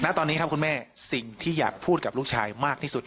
ณตอนนี้ครับคุณแม่สิ่งที่อยากพูดกับลูกชายมากที่สุด